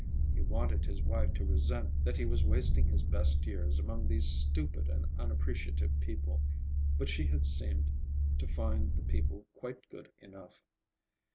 He wanted his wife to resent that he was wasting his best years among these stupid and unappreciative people; but she had seemed to find the people quite good enough.